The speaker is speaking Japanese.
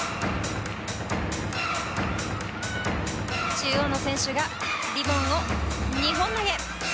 中央の選手がリボンを２本投げ。